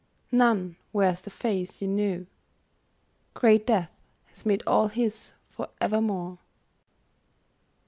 None wears the face you knew. Great death has made all his for evermore.